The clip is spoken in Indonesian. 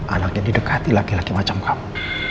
anak yang didekati laki laki macam kamu